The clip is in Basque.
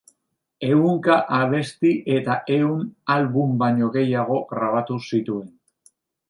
Ehunka abesti eta ehun album baino gehiago grabatu zituen.